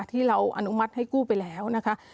อนุมัติให้กู้ไปแล้วนะคะ